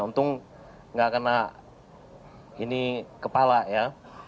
untung nggak kena ini kepala ya